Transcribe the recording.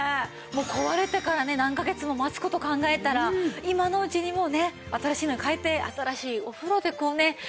壊れてからね何カ月も待つ事考えたら今のうちにもうね新しいのに替えて新しいお風呂でこうね。